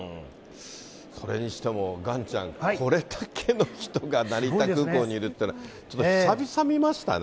それにしても岩ちゃん、これだけの人が成田空港にいるっていうのは、ちょっと久々見ましたね。